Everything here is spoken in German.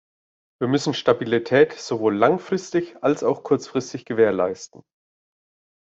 Wir müssen Stabilität sowohl langfristig als auch kurzfristig gewährleisten.